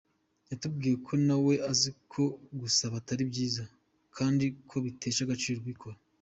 Yatubwiye ko na we azi ko gusaba atari byiza, kandi ko bitesha agaciro ubikora.